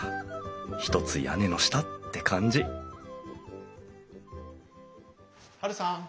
ひとつ屋根の下って感じハルさん